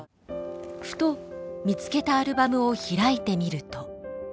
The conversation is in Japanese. ふと見つけたアルバムを開いてみると。